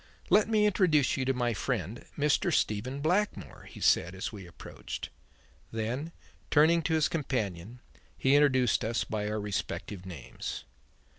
"Let me introduce you to my friend Mr. Stephen Blackmore," he said as we approached. Then, turning to his companion, he introduced us by our respective names.